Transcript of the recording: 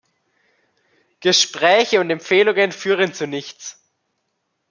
Gespräche und Empfehlungen führen zu nichts.